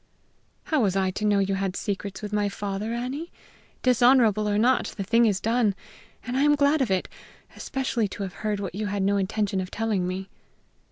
"How was I to know you had secrets with my father, Annie? Dishonorable or not, the thing is done, and I am glad of it especially to have heard what you had no intention of telling me."